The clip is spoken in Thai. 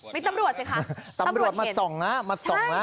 มีตำรวจสิคะตำรวจมาส่องนะมาส่องนะ